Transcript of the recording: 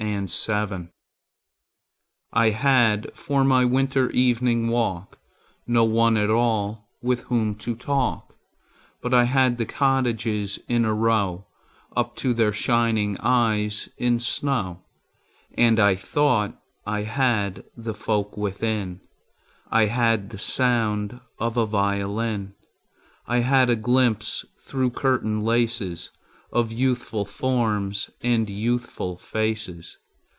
Good Hours I HAD for my winter evening walk No one at all with whom to talk, But I had the cottages in a row Up to their shining eyes in snow. And I thought I had the folk within: I had the sound of a violin; I had a glimpse through curtain laces Of youthful forms and youthful faces.